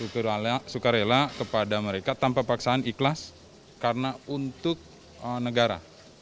suka rela kepada mereka tanpa paksaan ikhlas karena untuk negara